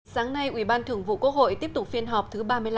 sáng nay ủy ban thường vụ quốc hội tiếp tục phiên họp thứ ba mươi năm